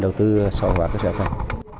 đầu tư sở hóa của dự án